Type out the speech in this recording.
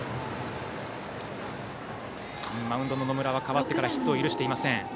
マウンドの野村は代わってからヒットを許していません。